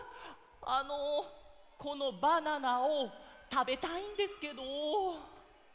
あのこのバナナをたべたいんですけど。